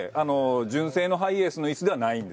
純正のハイエースの椅子ではないんですけど。